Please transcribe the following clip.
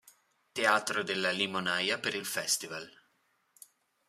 Teatro della Limonaia per il festival.